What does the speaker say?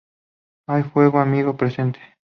Hay fuego amigo presente.